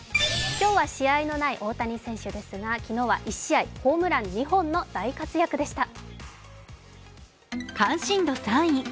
今日は試合のない大谷選手ですが、昨日は１試合ホームラン２本の大活躍でした。